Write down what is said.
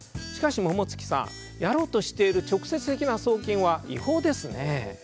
しかし桃月さんやろうとしている直接的な送金は違法ですね。